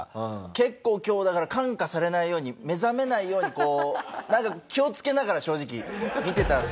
結構今日だから感化されないように目覚めないようにこうなんか気をつけながら正直見てたところがあるんですけど。